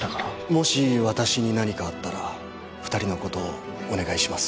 もし私に何かあったら２人のことをお願いします